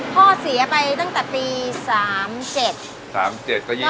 พ่อเสียไปตั้งแต่ตี๓๗